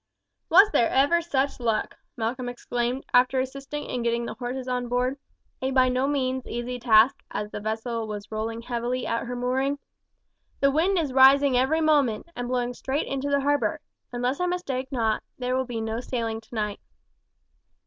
"Was there ever such luck!" Malcolm exclaimed, after assisting in getting the horses on board, a by no means easy task, as the vessel was rolling heavily at her mooring. "The wind is rising every moment, and blowing straight into the harbour; unless I mistake not, there will be no sailing tonight."